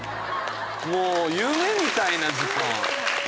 もう夢みたいな時間。